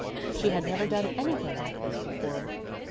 She had never done anything like this before.